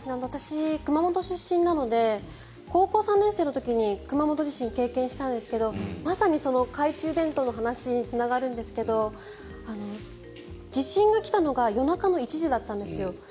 私は熊本出身なので高校３年生の時に熊本地震を経験したんですがまさにその懐中電灯の話につながるんですが地震が来たのが夜中の１時だったんです。